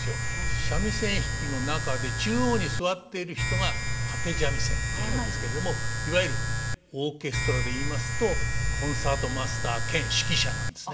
三味線弾きの中で中央に座っている人が立三味線というんですけれどもいわゆるオーケストラで言いますとコンサートマスター兼指揮者なんですね。